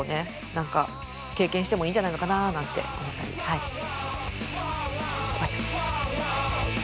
何か経験してもいいんじゃないのかななんて思ったりしました。